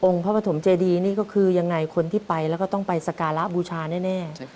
พระปฐมเจดีนี่ก็คือยังไงคนที่ไปแล้วก็ต้องไปสการะบูชาแน่